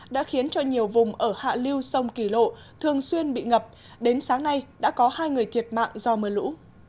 đã khiến cho nhiều vùng ở hạ liêu sông kỳ lộ thường xuyên bị ngập đến sáng nay đã có hai người thiệt mạng do mưa lũ